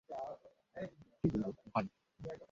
কী বলব, ভাই?